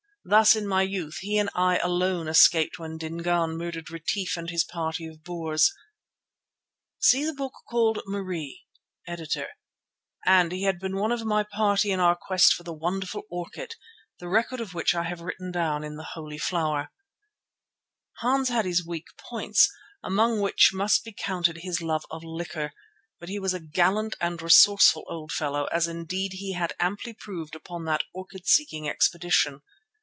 Thus in my youth he and I alone escaped when Dingaan murdered Retief and his party of Boers, and he had been one of my party in our quest for the wonderful orchid, the record of which I have written down in "The Holy Flower." See the book called "Marie."—EDITOR. Hans had his weak points, among which must be counted his love of liquor, but he was a gallant and resourceful old fellow as indeed he had amply proved upon that orchid seeking expedition.